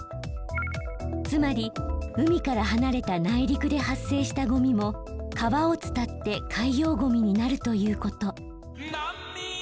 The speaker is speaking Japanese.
つまり海から離れた内陸で発生したゴミも川を伝って海洋ゴミになるということ。